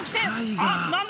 あっ何だ？